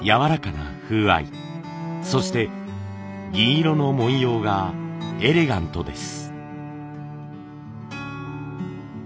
そして銀色の文様がエレガントです。